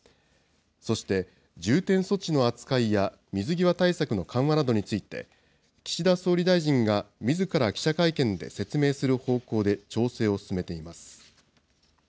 そして重点措置の扱いや水際対策の緩和などについて、岸田総理大臣がみずから記者会見で説明する方向で調整を進めています。